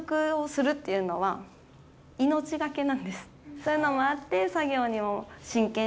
そういうのもあってうわ！